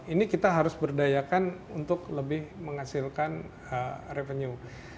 ini kita harus berdayakan untuk lebih menghasilkan revenue